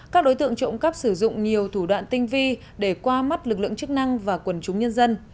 các đối tượng trộm cắp sử dụng nhiều thủ đoạn tinh vi để qua mắt lực lượng chức năng và quần chúng nhân dân